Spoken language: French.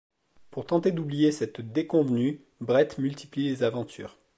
Pour tenter d’oublier cette déconvenue Brett multiplie les aventures.